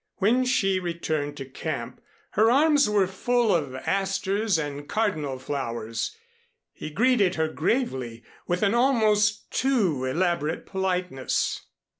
When she returned to camp her arms were full of asters and cardinal flowers. He greeted her gravely, with an almost too elaborate politeness.